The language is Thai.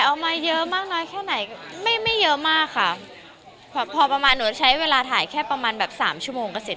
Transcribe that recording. เอามาเยอะมากน้อยแค่ไหนไม่ไม่เยอะมากค่ะพอประมาณหนูใช้เวลาถ่ายแค่ประมาณแบบสามชั่วโมงก็เสร็จ